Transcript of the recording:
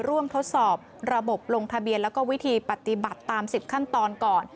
ทดสอบระบบลงทะเบียนแล้วก็วิธีปฏิบัติตาม๑๐ขั้นตอนก่อน